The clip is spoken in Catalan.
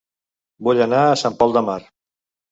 Vull anar a Sant Pol de Mar